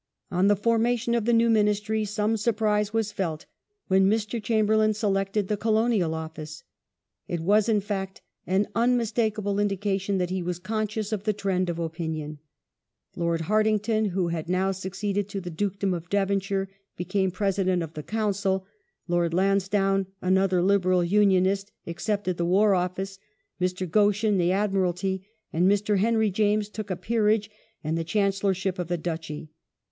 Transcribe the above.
On the formation of the new Ministry some surprise was felt when Mr. Chamberlain selected the Colonial Office. It was, in fact, an unmistakable indication that he was conscious of the trend of opinion. Lord Hartington, who had now succeeded to the Dukedom of Devonshire, became Pi esident of the Council ; Lord Lansdowne, another Liberal Unionist, accepted the War Office ; Mr. Goschen the Admiralty, and Sir Henry James took a Peerage and the Chancellorship of the Duchy.